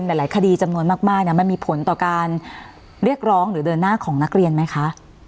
หลายคดีจำนวนมากมันมีผลต่อการเรียกร้องหรือเดินหน้าของนักเรียนไหมคะ